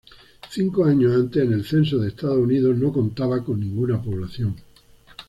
Cinco años antes, en el Censo de Estados Unidos, no contaba con ninguna población.